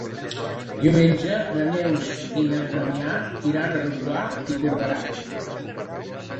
Diumenge na Neus i na Damià iran a Rotglà i Corberà.